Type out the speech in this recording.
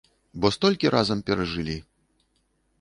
Бо столькі разам перажылі.